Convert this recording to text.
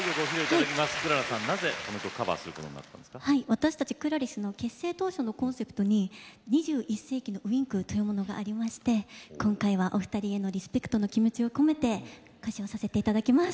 私たちＣｌａｒｉＳの結成当初のコンセプトに２１世紀のＷｉｎｋというものがありまして今回はお二人へのリスペクトの気持ちを込めて歌唱させて頂きます。